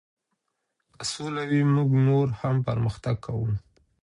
که سوله وي موږ نور هم پرمختګ کوو.